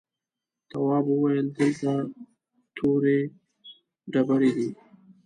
تواب وويل: دلته تورې ډبرې دي.